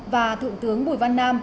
và thượng tướng bùi văn nam